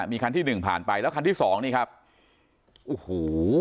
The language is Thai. มีคันที่หนึ่งผ่านไปแล้วคันที่สองนี่ครับโอ้โห